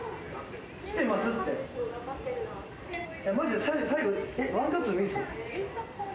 マジで最後ワンカットでいいんですよ。